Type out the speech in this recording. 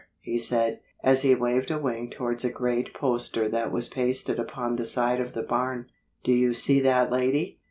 he said, as he waved a wing towards a great poster that was pasted upon the side of the barn. "Do you see that lady?